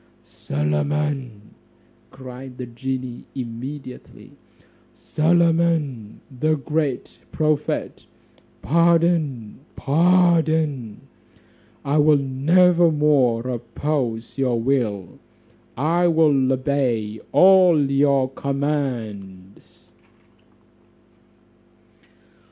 "Solomon," cried the genie immediately, "Solomon, the great prophet, pardon, pardon; I will never more oppose your will, I will obey all your commands."